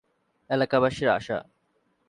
এলাকাবাসীর আশা।